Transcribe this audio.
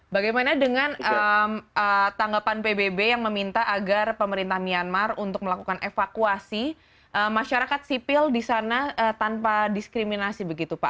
bagaimana dengan tanggapan pbb yang meminta agar pemerintah myanmar untuk melakukan evakuasi masyarakat sipil di sana tanpa diskriminasi begitu pak